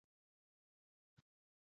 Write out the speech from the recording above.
جګړو او فتنو د سيمې دسيسې وښودلې.